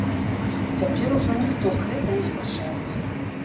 Цяпер ужо ніхто з гэтым не спрачаецца.